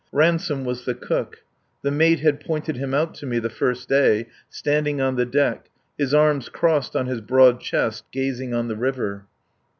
Ransome was the cook. The mate had pointed him out to me the first day, standing on the deck, his arms crossed on his broad chest, gazing on the river.